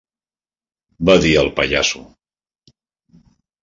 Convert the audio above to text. Va dir el pallasso.